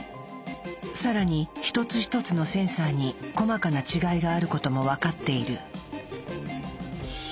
更に一つ一つのセンサーに細かな違いがあることも分かっている。